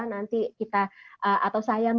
nanti kita atau saya minta saya banyak paham